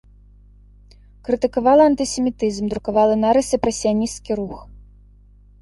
Крытыкавала антысемітызм, друкавала нарысы пра сіянісцкі рух.